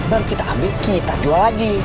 baru kita ambil kita jual lagi